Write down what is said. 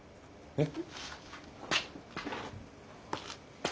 えっ！